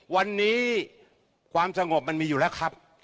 วันนี้ความสงบมันมีอยู่แล้วครับ